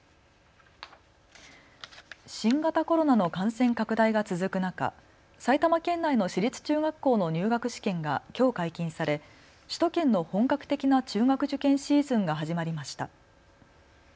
新型コロナの感染拡大が続く中、埼玉県内の私立中学校の入学試験がきょう解禁され首都圏の本格的な中学受験シーズンが始まりました。